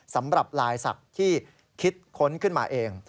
สำหรับลายศักดิ์ที่คิดค้นขึ้นมาเอง